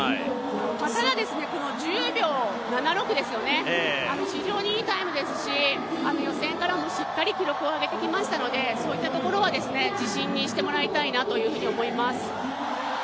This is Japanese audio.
ただこの１０秒７６、非常にいいタイムですし予選からもしっかり記録を上げてきましたのでそういったところは自信にしてもらいたいなと思います。